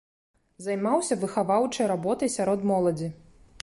Займаўся выхаваўчай работай сярод моладзі.